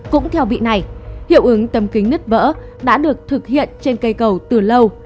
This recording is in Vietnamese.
cũng theo vị này hiệu ứng tầm kính nứt vỡ đã được thực hiện trên cây cầu từ lâu